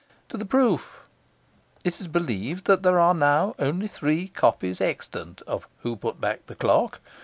To the proof, it is believed there are now only three copies extant of Who Put Back the Clock?